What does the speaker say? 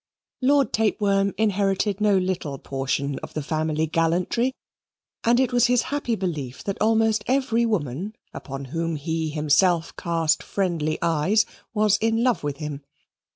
Lord Tapeworm inherited no little portion of the family gallantry, and it was his happy belief that almost every woman upon whom he himself cast friendly eyes was in love with him.